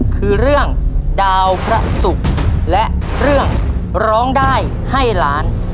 คือเรื่องดาวพระศุกร์และเรื่องร้องได้ให้ล้าน